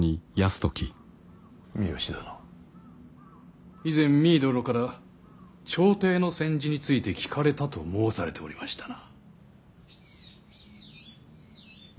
三善殿以前実衣殿から朝廷の宣旨について聞かれたと申されておりましたな。